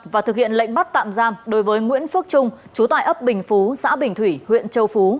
và thực hiện lệnh bắt tạm giam đối với nguyễn phước trung chú tại ấp bình phú xã bình thủy huyện châu phú